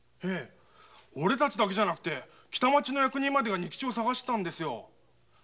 オレたちだけじゃなくて北町の役人までが仁吉を捜してるんですよ。